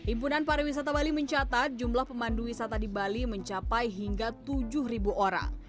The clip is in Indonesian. impunan pariwisata bali mencatat jumlah pemandu wisata di bali mencapai hingga tujuh orang